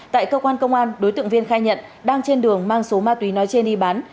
tại cơ quan công an đối tượng viên khai nhận đang trên đường mang số ma túy nói trên đi bán